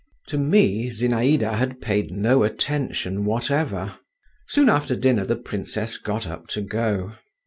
To me Zinaïda had paid no attention whatever. Soon after dinner the princess got up to go.